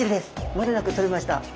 もれなくとれました。